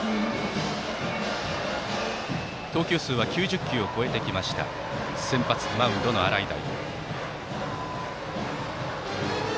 投球数は９０球を超えてきた先発マウンドの洗平。